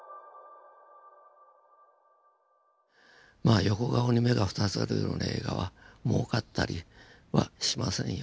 まあ横顔に目が２つあるような映画はもうかったりはしませんよ。